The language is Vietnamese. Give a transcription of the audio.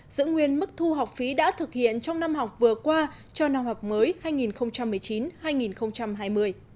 giữ nguyên mức thu học phí đã thực hiện trong năm học vừa qua cho năm học mới hai nghìn một mươi chín hai nghìn hai mươi